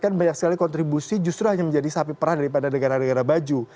kan banyak sekali kontribusi justru hanya menjadi sapi perah daripada negara negara baju